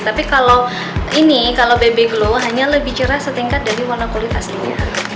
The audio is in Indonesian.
tapi kalau ini kalau bebek glow hanya lebih cerah setingkat dari warna kulit aslinya